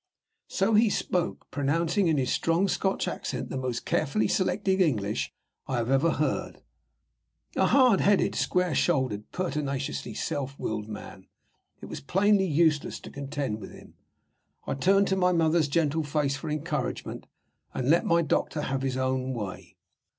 So he spoke, pronouncing in his strong Scotch accent the most carefully selected English I had ever heard. A hard headed, square shouldered, pertinaciously self willed man it was plainly useless to contend with him. I turned to my mother's gentle face for encouragement; and I let my doctor have his own way.